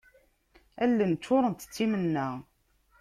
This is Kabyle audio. Allen ččurent d timenna.